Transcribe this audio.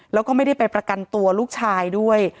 แล้วก็ไม่ได้ไปประกันตัวลูกชายด้วย